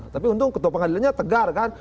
tapi untung ketua pengadilannya tegar kan